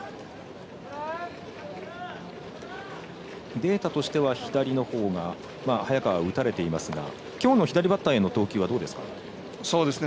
データとしては左のほうが早川、打たれていますがきょうの左バッターに対してはどうですか。